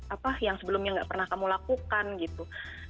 apa yang sebelumnya gak pernah kamu lakukan gitu